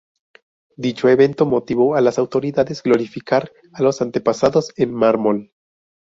Dicho evento motivó a las autoridades glorificar a los antepasados en mármol.